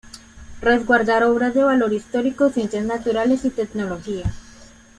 Resguarda obras de valor histórico, ciencias naturales y tecnología.